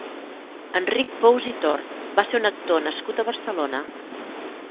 Enric Pous i Tor va ser un actor nascut a Barcelona.